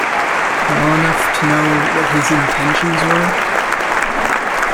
Well enough to know what his intentions were?